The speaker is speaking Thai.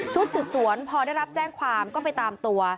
สืบสวนพอได้รับแจ้งความก็ไปตามตัว